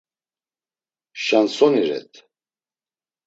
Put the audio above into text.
Şansoni ret.